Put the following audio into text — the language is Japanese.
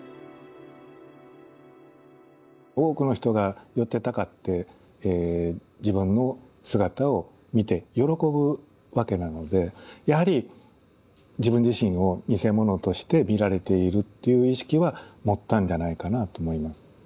多くの人が寄ってたかって自分の姿を見て喜ぶわけなのでやはり自分自身を見せ物として見られているっていう意識は持ったんじゃないかなと思います。